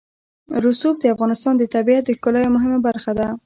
رسوب د افغانستان د طبیعت د ښکلا یوه مهمه برخه ده.